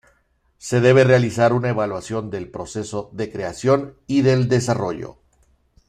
Se debe realizar una evaluación del proceso de creación y del desarrollo.